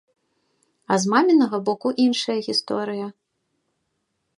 А з мамінага боку іншая гісторыя.